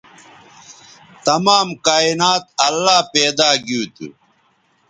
تمام کائنات اللہ پیدا گیو تھو